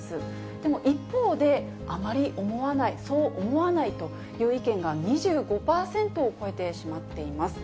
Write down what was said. でも一方で、あまり思わない、そう思わないという意見が２５％を超えてしまっています。